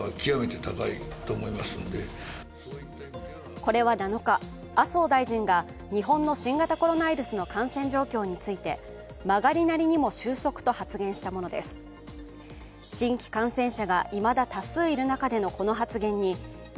これは７日、麻生大臣が日本の新型コロナウイルスの感染状況について曲がりなりにも収束と発言したものです。